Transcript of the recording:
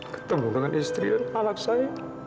ketemu dengan istri dan anak saya